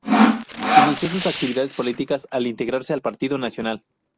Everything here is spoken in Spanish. Inició sus actividades políticas al integrarse al Partido Nacional.